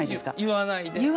言わないで。